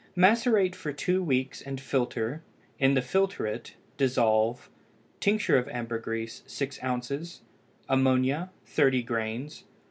Macerate for two weeks and filter; in the filtrate dissolve: Tincture of ambergris 6 oz. Ammonia 30 grains.